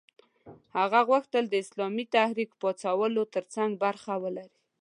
هغه غوښتل د اسلامي تحریک پاڅولو ترڅنګ برخه ولري.